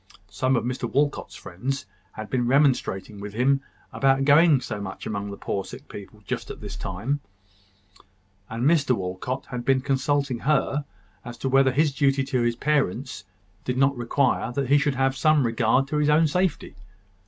Some of Mr Walcot's friends had been remonstrating with him about going so much among the poor sick people, just at this time; and Mr Walcot had been consulting her as to whether his duty to his parents did not require that he should have some regard to his own safety.